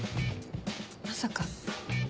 まさか。